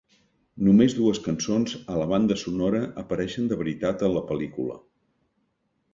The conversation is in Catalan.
Només dues cançons a la banda sonora apareixen de veritat en la pel·lícula.